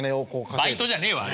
バイトじゃねえわあれ。